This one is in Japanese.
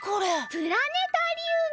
プラネタリウム。